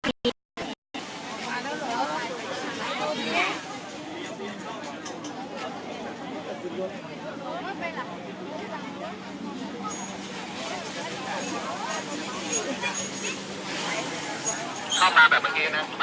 เข้าทางแบบเมื่อกี้นะสบายสบาย